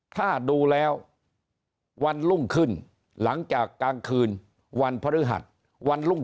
ถ้าดูแล้ววันรุ่งขึ้นหลังจากกลางคืนวันพฤหัสวันรุ่ง